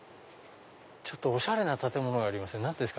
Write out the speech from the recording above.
ちょっとおしゃれな建物がありますよ。